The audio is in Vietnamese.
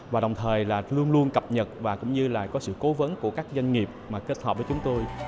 và đồng thời luôn luôn cập nhật và có sự cố vấn của các doanh nghiệp kết hợp với chúng tôi